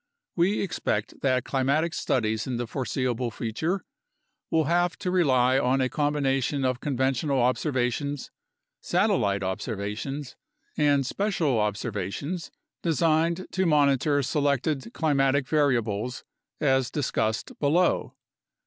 We expect that climatic studies in the foreseeable future will have to rely on a combination of conventional observations, satellite observations, and special observations designed to monitor selected climatic variables as discussed below.